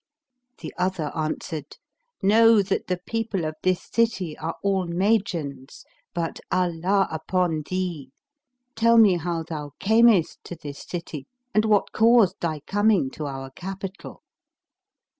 The other answered, "Know that the people of this city are all Magians: but Allah upon thee, tell me how thou camest to this city and what caused thy coming to our capital."